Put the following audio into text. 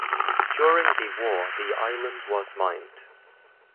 During the war the island was mined.